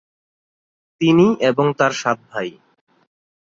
তিনি এবং তার সাত ভাই।